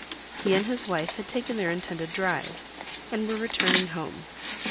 He and his wife had taken their intended drive, and were returning home.